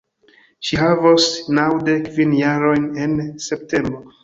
Ŝi havos naŭdek kvin jarojn en septembro.